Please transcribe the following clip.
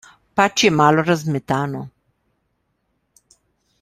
Pač je malo razmetano.